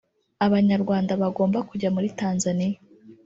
Abanyarwanda bagomba kujya muri Tanzania